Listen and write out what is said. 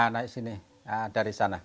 naik sini dari sana